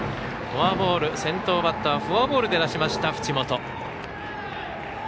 フォアボール、先頭バッターフォアボールで出しました、淵本。